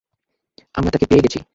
আমরা তাকে পেয়ে গেছি।